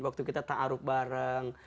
waktu kita tak aruk bareng